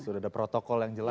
sudah ada protokol yang jelas